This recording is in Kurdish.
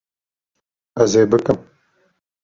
Ez ê bikim